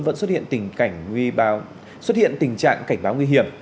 vẫn xuất hiện tình trạng cảnh báo nguy hiểm